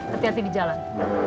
hati hati di jalan